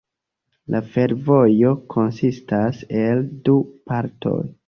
La fervojo konsistas el du partoj.